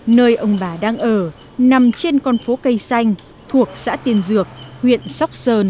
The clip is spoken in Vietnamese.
nơi ông bà đang ở nằm trên con phố cây xanh thuộc xã tiên dược huyện sóc sơn